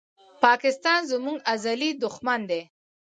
پاکستان زموږ ازلي دښمن دی